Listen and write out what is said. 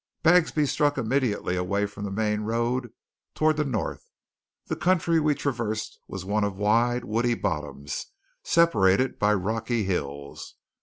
Bagsby struck immediately away from the main road toward the north. The country we traversed was one of wide, woody bottoms separated by rocky hills.